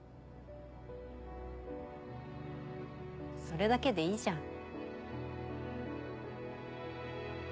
それだけでいいじゃん。